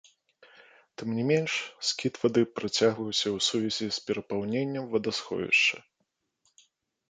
Тым не менш, скід вады працягнуўся ў сувязі з перапаўненнем вадасховішча.